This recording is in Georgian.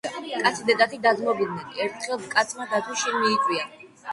კაცი და დათვი დაძმობილდენ. ერთხელ კაცმა დათვი შინ მიიწვია